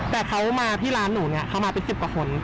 แต่เขามาที่ร้านหนูเนี่ยเขามาเป็น๑๐กว่าคน